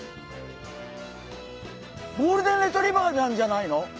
ゴールデンレトリバーなんじゃないの？